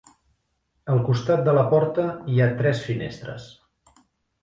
Al costat de la porta hi ha tres finestres.